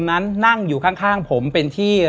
และยินดีต้อนรับทุกท่านเข้าสู่เดือนพฤษภาคมครับ